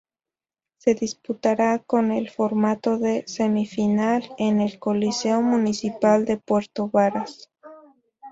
Se disputará con el formato de semi-final en el Coliseo municipal de Puerto Varas.